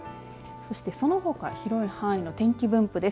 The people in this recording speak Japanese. そして、そのほか広い範囲の天気分布です。